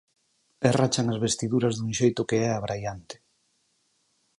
E rachan as vestiduras dun xeito que é abraiante.